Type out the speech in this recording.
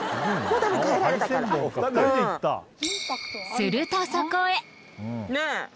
するとそこへ。